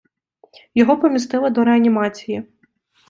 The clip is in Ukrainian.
Його помістили до реанімації.